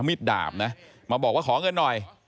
มีดดาบนะมาบอกว่าขอเงินหน่อย